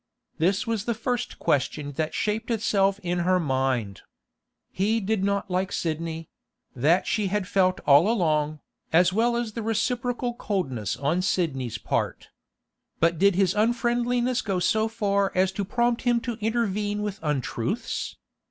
This was the first question that shaped itself in her mind. He did not like Sidney; that she had felt all along, as well as the reciprocal coldness on Sidney's part. But did his unfriendliness go so far as to prompt him to intervene with untruths?